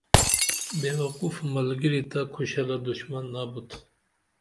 بےوقوف ملگیری تہ کھوشلہ دشمن ابُت